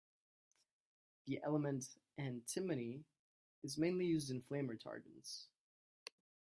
The element antimony is mainly used in flame retardants.